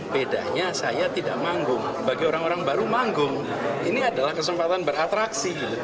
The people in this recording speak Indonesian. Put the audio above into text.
bedanya saya tidak manggung bagi orang orang baru manggung ini adalah kesempatan beratraksi